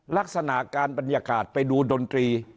ลักษณะการบรรยากาศไปดูดนตรี